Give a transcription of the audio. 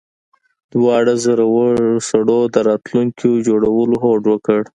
دواړو زړورو سړو د راتلونکي جوړولو هوډ وکړ